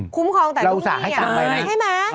คุ้มของแต่ลูกหนี้อ่ะใช่ไหม